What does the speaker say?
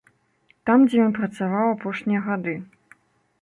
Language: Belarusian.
Там, дзе ён працаваў апошнія гады.